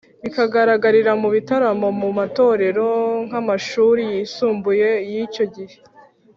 bikagaragarira mu bitaramo, mu matorero nk’amashuri y’isumbuye y’icyo gihe.